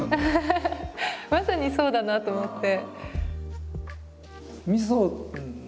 まさにそうだなと思って。